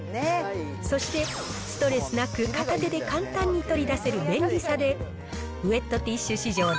そして、ストレスなく片手で簡単に取り出せる便利さで、ウエットティッシュ市場で、